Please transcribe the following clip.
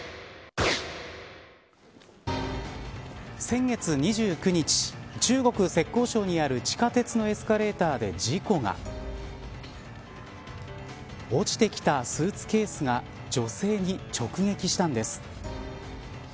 先月２９日中国、浙江省にある地下鉄のエスカレーターで事故が落ちてきたスーツケースが女性に直撃したんです。